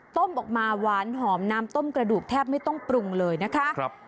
ต้มออกมาหวานหอมน้ำต้มกระดูกแทบไม่ต้องปรุงเลยนะคะ